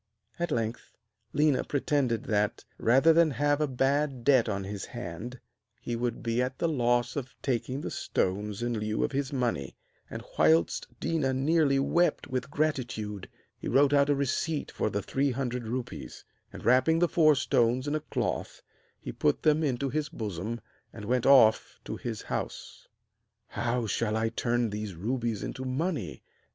At length Léna pretended that, rather than have a bad debt on his hand, he would be at the loss of taking the stones in lieu of his money; and, whilst Déna nearly wept with gratitude, he wrote out a receipt for the three hundred rupees; and, wrapping the four stones in a cloth, he put them into his bosom, and went off to his house. 'How shall I turn these rubies into money?'